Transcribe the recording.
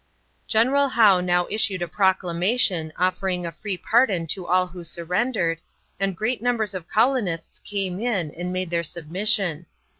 General Howe now issued a proclamation offering a free pardon to all who surrendered, and great numbers of colonists came in and made their submission.